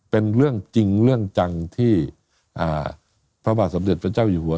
เป็นเรื่องจริงเรื่องจังที่พระบาทสมเด็จพระเจ้าอยู่หัว